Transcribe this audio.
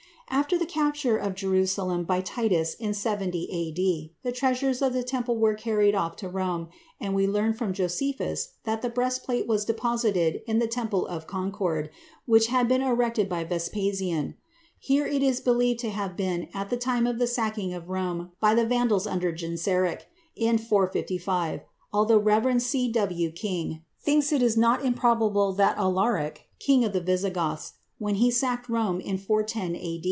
After the capture of Jerusalem by Titus in 70 A.D., the treasures of the temple were carried off to Rome, and we learn from Josephus that the breastplate was deposited in the Temple of Concord, which had been erected by Vespasian. Here it is believed to have been at the time of the sacking of Rome by the Vandals under Genseric, in 455, although Rev. C. W. King thinks it is not improbable that Alaric, king of the Visigoths, when he sacked Rome in 410 A.